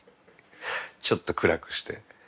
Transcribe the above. ちょっと暗くして。